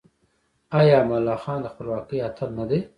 آیا امان الله خان د خپلواکۍ اتل نه دی؟